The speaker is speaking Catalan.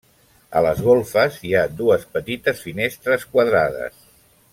A les golfes hi ha dues petites finestres quadrades.